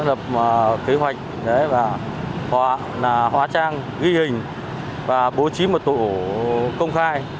đội cảnh sát số bốn đã lập kế hoạch hóa trang ghi hình và bố trí một tổ công khai